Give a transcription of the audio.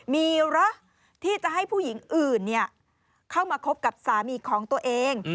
มีเหรอที่จะให้ผู้หญิงอื่นเข้ามาคบกับสามีของตัวเอง